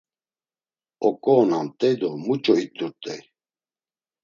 Oǩoonamt̆ey do muç̌o it̆urt̆ey?